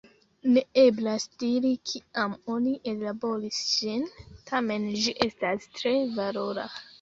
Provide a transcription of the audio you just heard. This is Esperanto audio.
Ne eblas diri, kiam oni ellaboris ĝin, tamen ĝi estas tre valora.